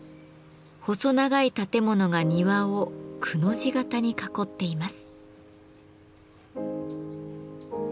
細長い建物が庭を「く」の字型に囲っています。